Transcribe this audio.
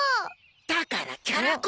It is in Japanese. だからキャラ公！